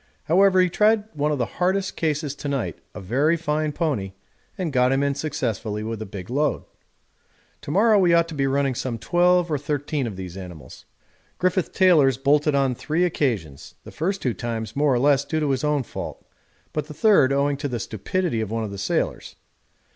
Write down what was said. However, he tried one of the hardest cases to night, a very fine pony, and got him in successfully with a big load. To morrow we ought to be running some twelve or thirteen of these animals. Griffith Taylor's bolted on three occasions, the first two times more or less due to his own fault, but the third owing to the stupidity of one of the sailors.